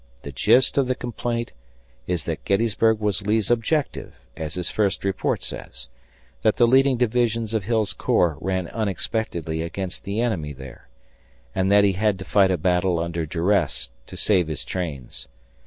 The gist of the complaint is that Gettysburg was Lee's objective, as his first report says; that the leading divisions of Hill's corps ran unexpectedly against the enemy there; and that he had to fight a battle under duress to save his trains.